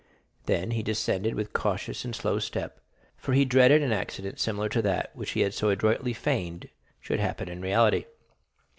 Then he descended with cautious and slow step, for he dreaded lest an accident similar to that he had so adroitly feigned should happen in reality.